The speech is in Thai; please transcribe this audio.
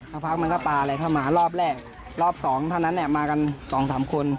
สักพักมันก็ปลาอะไรเข้ามารอบแรกรอบสองเท่านั้นเนี่ยมากันสองสามคน